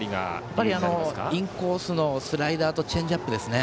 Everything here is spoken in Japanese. インコースのスライダーとチェンジアップですね。